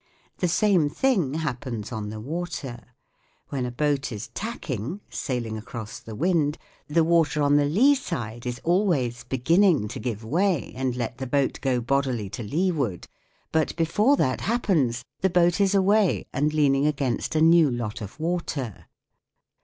The same thing happens on the water. When a boat is tacking sailing across the wind the water on the lee side is always beginning to give way and let the boat go bodily to '"^jf rW 122 THE WORLD OF SOUND leeward. But before that happens the boat is away and leaning against a new lot of water.